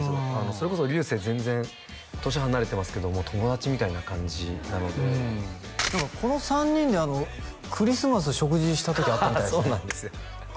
それこそ流星全然年離れてますけどもう友達みたいな感じなので何かこの３人でクリスマス食事した時あったみたいですねああ